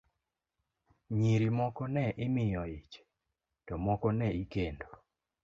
Nyiri ne imiyo ich, to moko ne ikendo.